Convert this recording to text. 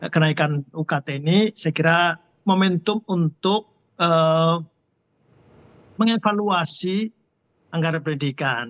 kenaikan ukt ini saya kira momentum untuk mengevaluasi anggaran pendidikan